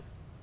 thì mới được